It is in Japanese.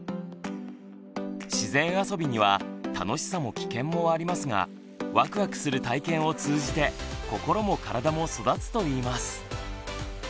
自然あそびには楽しさも危険もありますがワクワクする体験を通じて心も体も育つといいます。